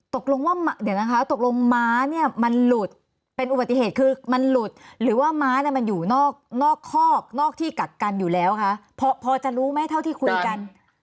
ตกลงว่าเดี๋ยวนะคะตกลงม้าเนี่ยมันหลุดเป็นอุบัติเหตุคือมันหลุดหรือว่าม้าเนี่ยมันอยู่นอกคอกนอกที่กักกันอยู่แล้วคะพอจะรู้ไหมเท่าที่คุยกัน